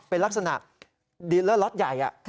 เป็นลักษณะดีเลอร์ล็อตใหญ่